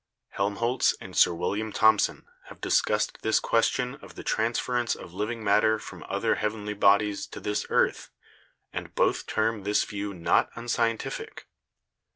Helmholtz and Sir William Thomson have dis cussed this question of the transference of living matter from other heavenly bodies to this earth and both term this view not unscientific.